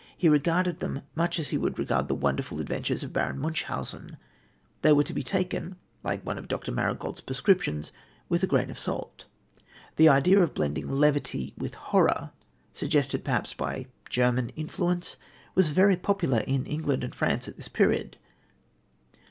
He regarded them much as he would regard the wonderful adventures of Baron Munchausen. They were to be taken, like one of Dr. Marigold's prescriptions, with a grain of salt. The idea of blending levity with horror, suggested perhaps by German influence, was very popular in England and France at this period.